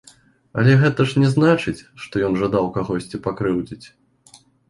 Але гэта ж не значыць, што ён жадаў кагосьці пакрыўдзіць.